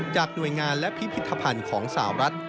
หน่วยงานและพิพิธภัณฑ์ของสาวรัฐ